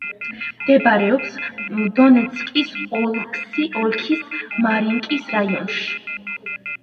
მდებარეობს დონეცკის ოლქის მარინკის რაიონში.